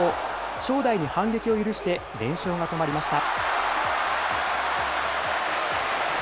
正代に反撃を許して連勝が止まりました。